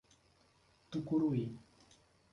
Tucuruí